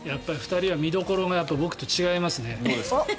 ２人は見どころがやっぱり僕とは違いますね。